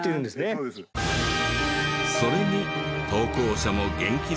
それに投稿者も元気づけられていた。